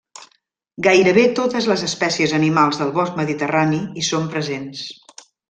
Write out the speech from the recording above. Gairebé totes les espècies animals del bosc mediterrani hi són presents.